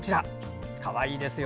かわいいですよ。